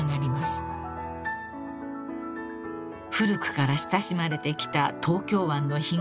［古くから親しまれてきた東京湾の干潟が失われてしまう］